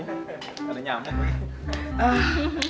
ya makanya mah baik banget